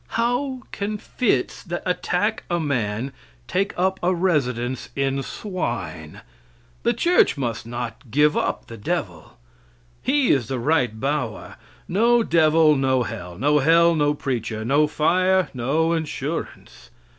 How can fits that attack a man take up a residence in swine? The church must not give up the devil. He is the right bower. No devil, no hell; no hell, no preacher; no fire, no insurance.